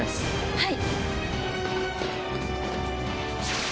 はい！